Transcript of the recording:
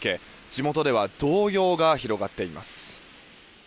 地元では動揺が広がっています。